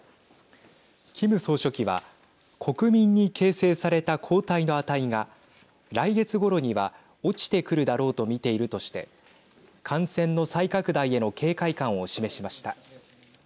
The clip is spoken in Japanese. キム総書記は国民に形成された抗体の値が来月ごろには落ちてくるだろうと見ているとして感染の再拡大への警戒感を示しました。